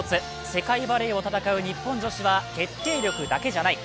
世界バレーを戦う日本女子は決定力だけじゃない。